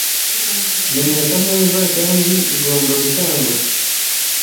Menyesha neza kandi igomba gutangwa